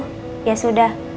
ibu ya sudah